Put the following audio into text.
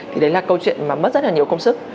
thì đấy là câu chuyện mà mất rất là nhiều công sức